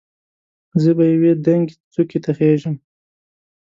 زه به یوې دنګې څوکې ته خېژم.